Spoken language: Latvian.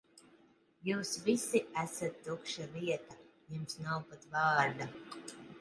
Jūs visi esat tukša vieta, jums nav pat vārda.